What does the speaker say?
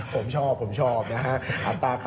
ผมชอบผมชอบนะครับ